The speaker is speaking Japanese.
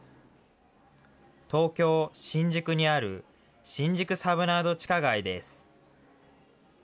東京・新宿にある新宿サブナード地下街です。